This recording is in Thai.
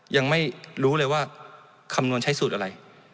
ยังไม่รู้เลยว่าคำนวณใช้สูตรอะไร